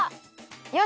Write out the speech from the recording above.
よし！